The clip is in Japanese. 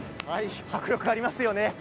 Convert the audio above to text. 迫力がありますよね。